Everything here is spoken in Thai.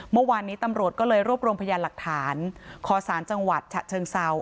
เมื่อวานนี้ตำรวจก็เลยรวบรวมพยานหลักฐานขอสารจังหวัดฉะเชิงเซา